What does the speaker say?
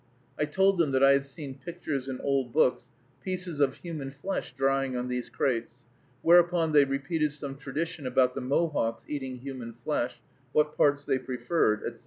I told them that I had seen pictured in old books pieces of human flesh drying on these crates; whereupon they repeated some tradition about the Mohawks eating human flesh, what parts they preferred, etc.